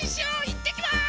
いってきます！